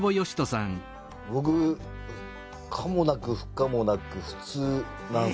僕可もなく不可もなく普通なんすよ。